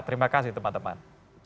terima kasih teman teman